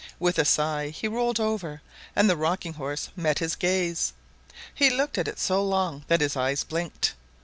With a sigh he rolled over, and the rocking horse met his gaze. He looked at it so long that his eyes blinked.